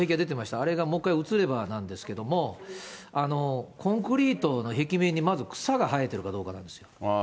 あれがもう一回映ればなんですけども、コンクリートの壁面にまず草が生えてるかどうかなんですよ。